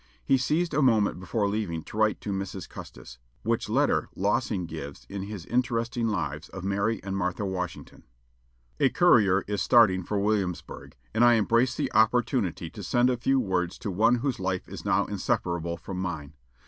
He seized a moment before leaving to write to Mrs. Custis, which letter Lossing gives in his interesting lives of Mary and Martha Washington: "A courier is starting for Williamsburg, and I embrace the opportunity to send a few words to one whose life is now inseparable from mine.